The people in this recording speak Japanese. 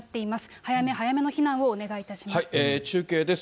早め早めの避難をお願いいたします。